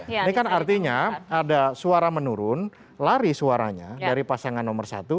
ini kan artinya ada suara menurun lari suaranya dari pasangan nomor satu